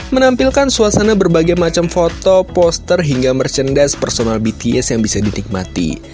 menampilkan suasana berbagai macam foto poster hingga merchandise personal bts yang bisa dinikmati